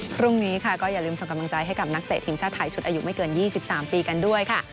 พรุ่งนี้ค่ะก็อย่าลืมส่งกำลังใจให้กับนักเตะทีมชาติไทยชุดอายุไม่เกิน๒๓ปีกันด้วยค่ะ